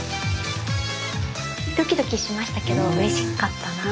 ドキドキしましたけどうれしかったな。